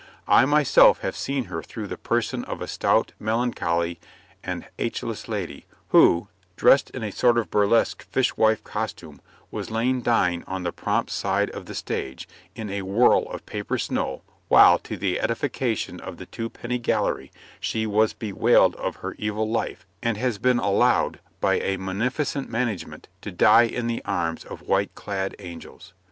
I myself have seen her through the person of a stout, melancholy, and h less lady, who, dressed in a sort of burlesque fish wife costume, has lain dying on the prompt side of the stage, in a whirl of paper snow, while, to the edification of the twopenny gallery, she has bewailed her evil life, and has been allowed, by a munificent management, to die in the arms of white clad angels.